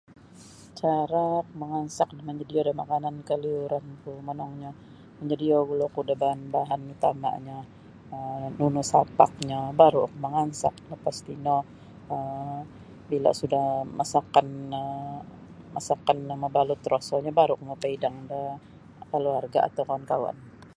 Cara mangansak monyodio da makanan kaliuranku monongnyo monyodio gulu oku da bahan-bahan utamanyo um nunu sapaknyo baru oku mangansak lapas tino um bila sudah masakkan no masakkan no mabalut rasanyo baru oku mapaidang da keluarga atau kawan-kawan.